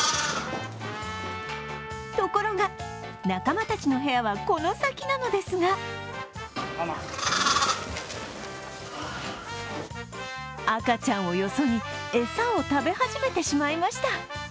ところが、仲間たちの部屋はこの先なのですが赤ちゃんをよそに餌を食べ始めてしまいました。